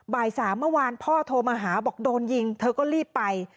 บ่ายสามเมื่อวานพ่อโทรมาหาบอกโดนยิงเธอก็รีบไป